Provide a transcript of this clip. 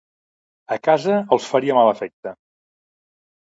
A casa els faria mal efecte.